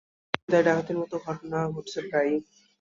ছিনতাই, ডাকাতির মতো ঘটনা ঘটছে প্রায়ই।